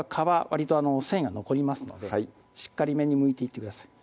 わりと繊維が残りますのでしっかりめにむいていってください